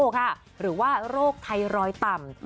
ค่ะหรือว่าโรคไทรรอยต่ำ